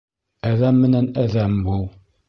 Әҙәм менән әҙәм бул.